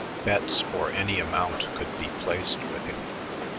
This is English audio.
Bets for any amount could be placed with him.